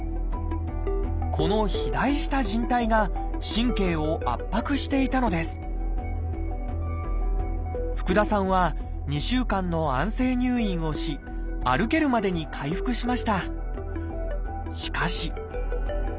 この肥大したじん帯が神経を圧迫していたのです福田さんは２週間の安静入院をし歩けるまでに回復しました。